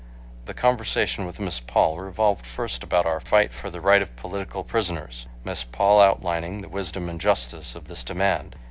The conversation with Miss Paul revolved first about our fight for the right of political prisoners, Miss Paul outlining the wisdom and justice of this demand.